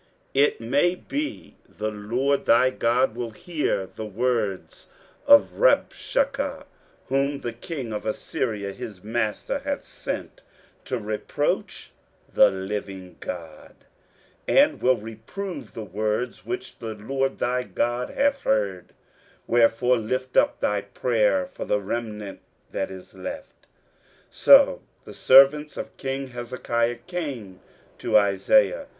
23:037:004 It may be the LORD thy God will hear the words of Rabshakeh, whom the king of Assyria his master hath sent to reproach the living God, and will reprove the words which the LORD thy God hath heard: wherefore lift up thy prayer for the remnant that is left. 23:037:005 So the servants of king Hezekiah came to Isaiah.